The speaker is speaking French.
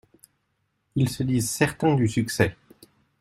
Ils se disent certains du succès.